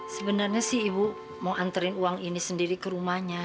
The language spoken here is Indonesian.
sebenarnya sih ibu mau anterin uang ini sendiri ke rumahnya